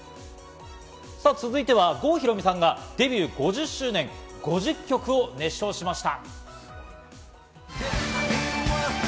続いては郷ひろみさんがデビュー５０周年、５０曲を熱唱しました。